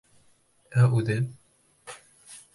Ә үҙем